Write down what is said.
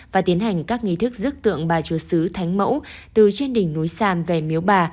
và tiến hành các nghi thức rước tượng bà chúa sứ thánh mẫu từ trên đỉnh núi sam về miếu bà